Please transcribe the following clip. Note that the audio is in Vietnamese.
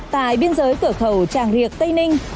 tại biên giới cửa khẩu tràng riệc tây ninh